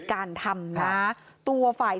เจ้าของห้องเช่าโพสต์คลิปนี้